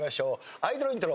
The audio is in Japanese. アイドルイントロ。